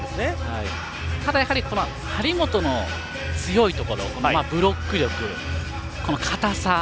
ただ張本の強いところブロック力、堅さ